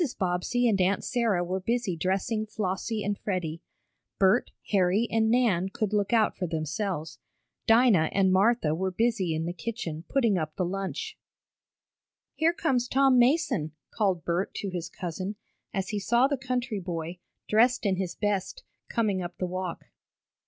Bobbsey and Aunt Sarah were busy dressing Flossie and Freddie. Bert, Harry and Nan could look out for themselves. Dinah and Martha were busy in the kitchen putting up the lunch. "Here comes Tom Mason!" called Bert to his cousin, as he saw the country boy, dressed in his best, coming up the walk.